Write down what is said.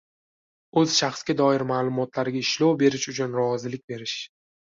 o‘z shaxsga doir ma’lumotlariga ishlov berish uchun rozilik berish